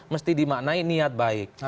mesti dimaknai niat baik